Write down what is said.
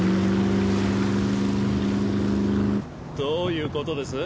どういうことです？